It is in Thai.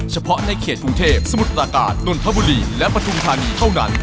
เฉพาะในเขตกรุงเทพสมุทรปราการนนทบุรีและปฐุมธานีเท่านั้น